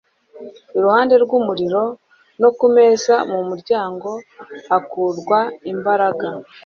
Iruhande rw'umuriro, no ku meza mu muryango hakurwa imbaraga